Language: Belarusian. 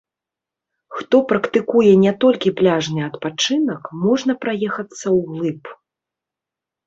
Хто практыкуе не толькі пляжны адпачынак, можна праехацца ўглыб.